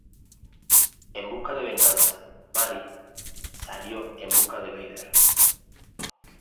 En busca de venganza, Maris salió en busca de Vader.